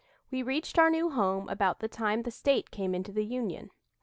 We reached our new home about the time the State came into the Union.